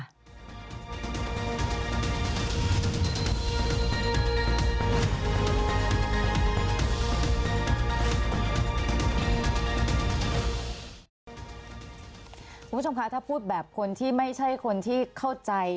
คุณผู้ชมคะถ้าพูดแบบคนที่ไม่ใช่คนที่เข้าใจ